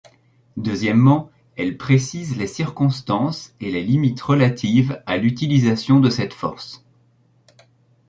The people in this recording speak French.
Deuxièmement, elles précisent les circonstances et les limites relatives à l'utilisation de cette force.